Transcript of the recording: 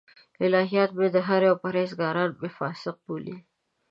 الهیان مې دهري او پرهېزګاران مې فاسق بولي.